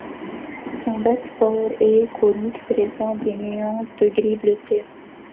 Son bec fort et conique présente des nuances de gris bleuté.